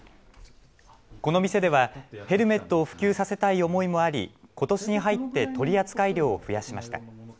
この店ではヘルメットを普及させたい思いもありことしに入って取り扱い量を増やしました。